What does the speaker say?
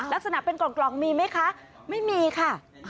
ลักษณะเป็นกล่องมีไหมคะไม่มีค่ะ